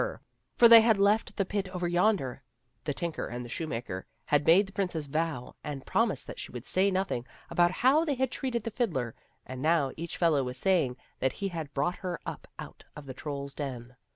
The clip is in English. For before they had left the pit over yonder, the tinker and the shoemaker had made the princess vow and promise that she would say nothing about how they had treated the fiddler, and now each fellow was saying that he had brought her up out of the troll's den.